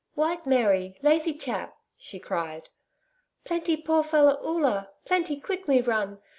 'White Mary! Lathy chap!' she cried. 'Plenty poor feller Oola. Plenty quick me run.